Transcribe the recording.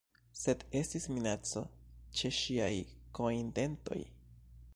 Sed estis minaco ĉe ŝiaj kojndentoj.